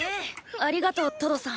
ありがとうトドさん。